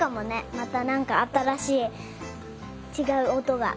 またなんかあたらしいちがうおとが。